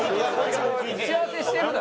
打ち合わせしてるだろ？